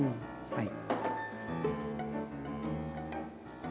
はい。